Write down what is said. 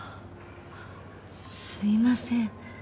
すいません。